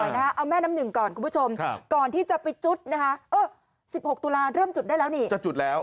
น้ำนึกก่อนที่จะไปจุด๑๖ตุลาทเริ่มจุดได้แล้ว